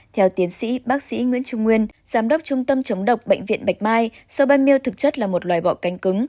theo tiến sĩ bác sĩ nguyễn trung nguyên giám đốc trung tâm chống độc bệnh viện bạch mai sâu ban miêu thực chất là một loài bọ canh cứng